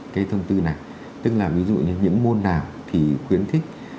cái thông tư này tức là ví dụ như những môn nào thì khuyến khích